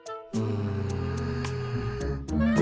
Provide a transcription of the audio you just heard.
うん。